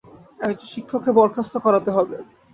একজন শিক্ষককে বরখাস্ত করাতে হবে।